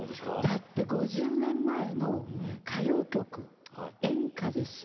だって５０年前の歌謡曲演歌ですよ？